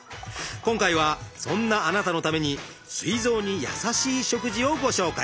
今回はそんなあなたのためにすい臓にやさしい食事をご紹介。